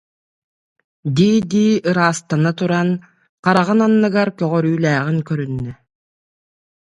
дии-дии ыраастана туран, хараҕын анныгар көҕөрүүлээҕин көрүннэ